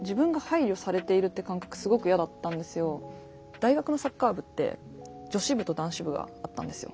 大学のサッカー部って女子部と男子部があったんですよ。